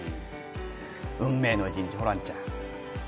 運命の一日、ホランちゃん。